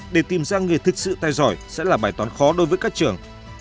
để tìm ra người thực sự tay giỏi sẽ là bài toán khó đối với các trường